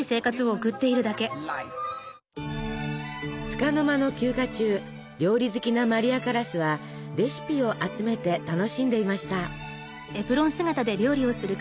つかの間の休暇中料理好きなマリア・カラスはレシピを集めて楽しんでいました。